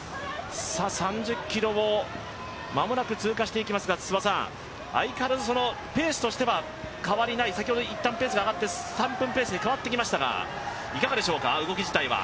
３０ｋｍを間もなく通過していきますが、相変わらずペースとしては変わりない、先ほど一旦ペースが上がって３分ペースに上がっていきましたが、いかがでしょうか？